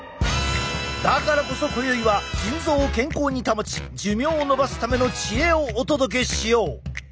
だからこそ今宵は腎臓を健康に保ち寿命を延ばすための知恵をお届けしよう！